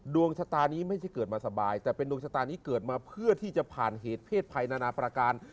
ดวงชะตานี้ไม่ใช่เกิดมาสบายแต่เป็นดวงชะตานี้เกิดมาเพื่อที่จะผ่านเหตุเพศภัยนานาประการ